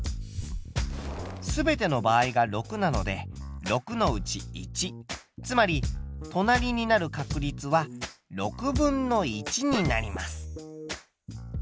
すべての場合が６なので６のうち１つまり隣になる確率は６分の１になります。